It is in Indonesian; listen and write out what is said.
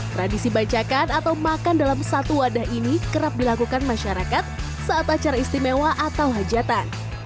tradisi bancakan atau makan dalam satu wadah ini kerap dilakukan masyarakat saat acara istimewa atau hajatan